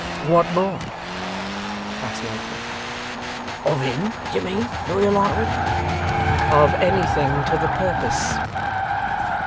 'What more?' asked Lightwood. 'Of him, d'ye mean, Lawyer Lightwood?' 'Of anything to the purpose.